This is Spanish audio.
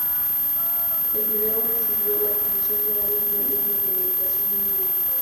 El vídeo recibió la atención de varios medios de comunicación en línea.